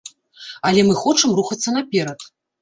Але мы хочам рухацца наперад.